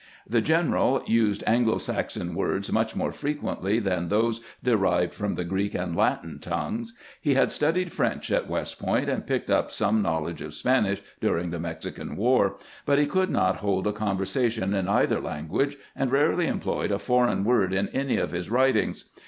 The general used Anglo Saxon words much more frequently than those derived from the Grreek and Latin tongues. He had studied French at "West Point, and picked up some knowledge of Spanish during the Mexican war ; but he could not hold a conversation in either language, and rarely employed a foreign word in any of his writings.